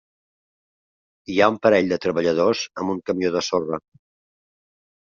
Hi ha un parell de treballadors amb un camió de sorra.